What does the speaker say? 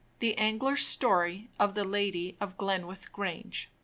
THE ANGLER'S STORY of THE LADY OF GLENWITH GRANGE.